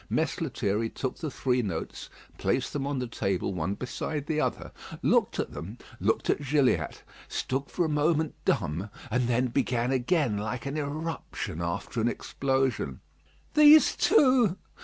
Mess Lethierry took the three notes, placed them on the table one beside the other, looked at them, looked at Gilliatt, stood for a moment dumb; and then began again, like an eruption after an explosion: "These too!